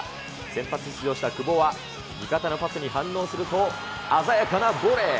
先発出場した久保は、味方のパスに反応すると、鮮やかなボレー。